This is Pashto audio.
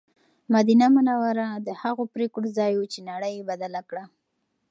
مدینه منوره د هغو پرېکړو ځای و چې نړۍ یې بدله کړه.